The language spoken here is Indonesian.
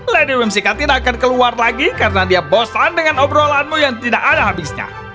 lady whimsica tidak akan keluar lagi karena dia bosan dengan obrolanmu yang tidak ada habisnya